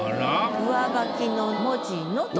「上履の文字の」と。